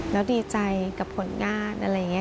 แล้วดีใจกับผลงานอะไรอย่างนี้